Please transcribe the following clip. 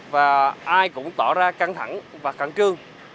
và ai cũng tỏ ra căng thẳng và cặn trương